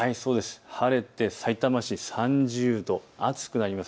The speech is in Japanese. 晴れてさいたま市３０度、暑くなります。